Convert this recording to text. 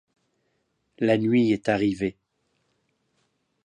La nuit est arrivée.